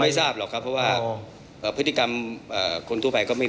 มีการที่จะพยายามติดศิลป์บ่นเจ้าพระงานนะครับ